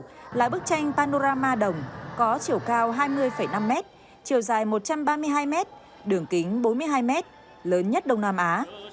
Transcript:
bảo tàng chiến thắng địa biên phủ là bức tranh panorama đồng có chiều cao hai mươi năm m chiều dài một trăm ba mươi hai m đường kính bốn mươi hai m lớn nhất đông nam á